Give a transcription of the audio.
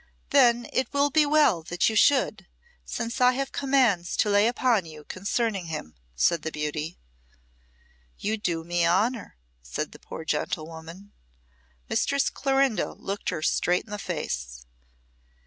"Then it will be well that you should, since I have commands to lay upon you concerning him," said the beauty. "You do me honour," said the poor gentlewoman. Mistress Clorinda looked her straight in the face.